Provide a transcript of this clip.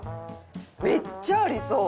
めっちゃありそう！